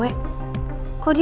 eh kok dia